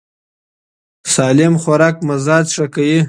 سالم خوراک مزاج ښه کوي.